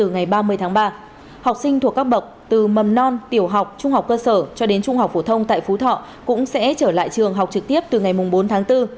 ngày ba mươi tháng ba học sinh thuộc các bậc từ mầm non tiểu học trung học cơ sở cho đến trung học phổ thông tại phú thọ cũng sẽ trở lại trường học trực tiếp từ ngày bốn tháng bốn